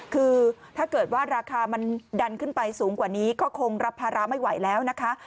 คือถ้าเกิดว่าราคามันดันขึ้นไปสูงกว่านี้ก็คงรับภาระไม่ไหวแล้วนะคะ